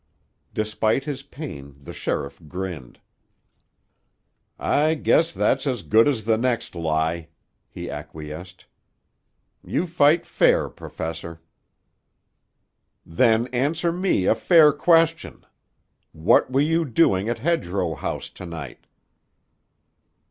Despite his pain the sheriff grinned. "I guess that's as good as the next lie," he acquiesced. "You fight fair, Professor." "Then answer me a fair question. What were you doing at Hedgerow House to night?"